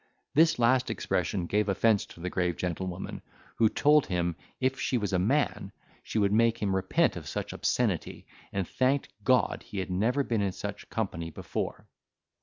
This last expression gave offence to the grave gentlewoman, who told him, if she was a man, she would make him repent of such obscenity, and thanked God she had never been in such company before.